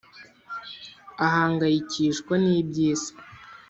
Ahangayikishwa n’iby’isi